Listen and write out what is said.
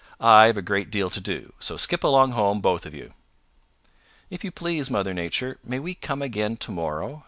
I've a great deal to do, so skip along home, both of you." "If you please, Mother Nature, may we come again to morrow?"